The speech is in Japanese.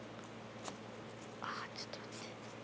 あっちょっと待って。